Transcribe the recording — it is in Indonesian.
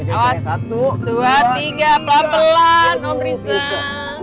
awas dua tiga pelan pelan pak riza